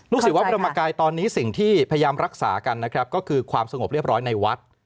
ลูกศิษย์ว่าประมากกายตอนนี้สิ่งที่พยายามรักษากันก็คือความสงบเรียบร้อยในวัด